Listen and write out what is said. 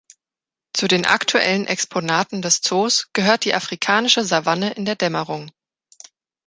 Zu den aktuellen Exponaten des Zoos gehört die afrikanische Savanne in der Dämmerung.